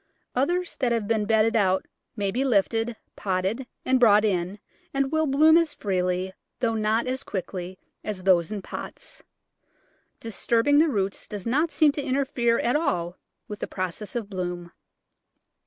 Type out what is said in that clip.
Others that have been bedded out may be lifted, potted, and brought in, and will bloom as freely, though not as quickly, as those in pots. Disturbing the roots does not seem to interfere at all with the process of bloom.